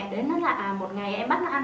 đến rất là một ngày em bắt nó ăn